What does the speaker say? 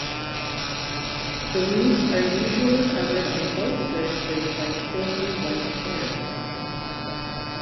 The leaves are usually covered on both surfaces by silky white hairs.